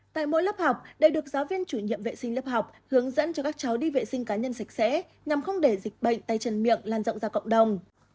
tại mỗi lớp học đều được giáo viên chủ nhiệm vệ sinh lớp học hướng dẫn cho các cháu đi vệ sinh cá nhân sạch sẽ nhằm không để dịch bệnh tay chân miệng lan rộng ra cộng đồng